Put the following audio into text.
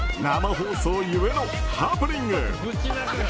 生放送ゆえのハプニング。